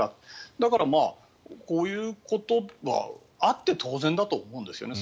だから、こういうことはあって当然だと思うんですよね。